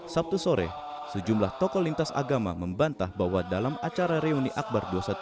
sabtu sore sejumlah tokoh lintas agama membantah bahwa dalam acara reuni akbar dua ratus dua belas